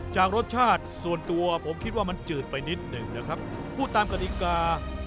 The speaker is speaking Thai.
จากรสชาติส่วนตัวผมคิดว่ามันจืดไปนิดหนึ่งนะครับพูดตามกฎิกา